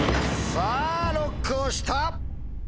さぁＬＯＣＫを押した！